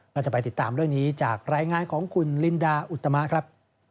เราจะไปติดตามเรื่องนี้จากรายงานของคุณลินดาอุตมะครับ